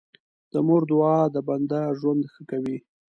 د مور دعا د بنده ژوند ښه کوي.